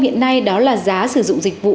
hiện nay đó là giá sử dụng dịch vụ